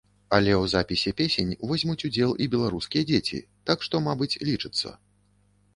Але ў запісе песень возьмуць удзел і беларускія дзеці, так што, мабыць, лічыцца.